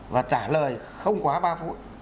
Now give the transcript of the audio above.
và trả lời không quá ba phút